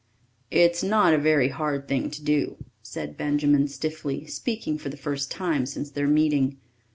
"It's not a very hard thing to do," said Benjamin stiffly, speaking for the first time since their meeting.